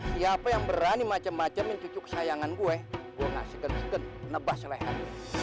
siapa yang berani macem macemin cucuk kesayangan gue gue ngasih geng geng nebah selehat